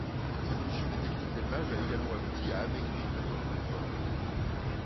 L'évolution des techniques d'élevage a également abouti à amaigrir la viande de porc.